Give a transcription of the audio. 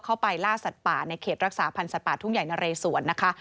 เข้าไปล่าสัตว์ป่าในเขตรักษาพันธ์สัตว์ป่าทุ่งใหญ่นะเรสวนนะคะ